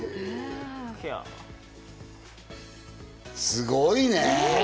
すごいね。